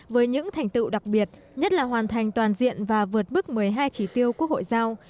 với những thành tựu đặc biệt nhất là hoàn thành toàn diện và vượt bước một mươi hai chỉ tiêu quốc hội giao